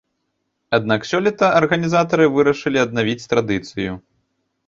Аднак сёлета арганізатары вырашылі аднавіць традыцыю.